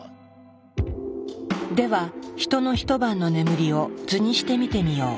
ではヒトの一晩の眠りを図にして見てみよう。